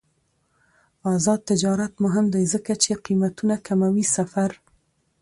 آزاد تجارت مهم دی ځکه چې قیمتونه کموي سفر.